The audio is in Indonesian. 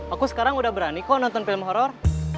aku sekarang udah berani kok nonton film horror